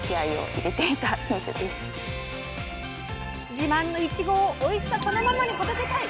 自慢のいちごをおいしさそのままに届けたい！